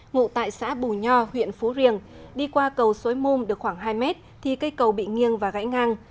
ngụ tại xã bù nho huyện phú riềng đi qua cầu xối môm được khoảng hai m thì cây cầu bị nghiêng và gãy ngang